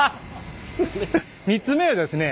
３つ目はですね